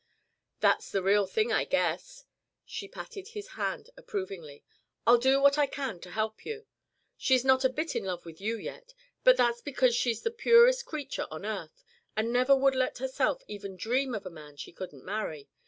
"That's the real thing, I guess." She patted his hand approvingly. "I'll do what I can to help you. She's not a bit in love with you yet, but that's because she's the purest creature on earth and never would let herself even dream of a man she couldn't marry.